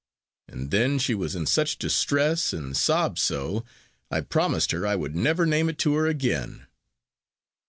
And then she was in such distress, and sobbed so, I promised her I would never name it to her again."